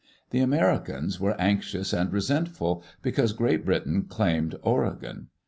The Americans were anxious and resentful because Great Britain claimed "Oregon."